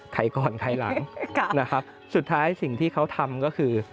ใครก่อนใครหลังนะครับสุดท้ายสิ่งที่เขาทำก็คือ